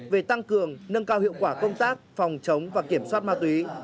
về tăng cường nâng cao hiệu quả công tác phòng chống và kiểm soát ma túy